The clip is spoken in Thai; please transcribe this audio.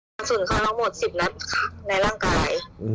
กระสุนเขาล้องหมด๑๐นัดค่ะในร่างกาย